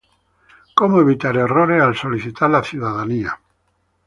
Cómo evitar errores al solicitar la ciudadanía estadounidense.